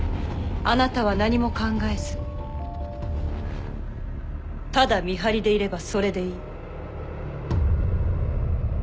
あなたは何も考えずただ見張りでいればそれでいい。